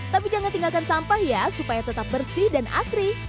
tapi jangan tinggalkan sampah ya supaya tetap bersih dan asri